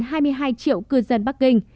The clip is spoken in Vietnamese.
hai mươi hai triệu cư dân bắc kinh